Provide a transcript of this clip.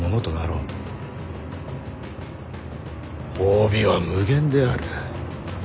褒美は無限である。